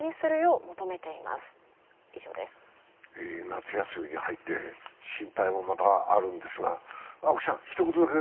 夏休みに入って心配もまたあるんですが？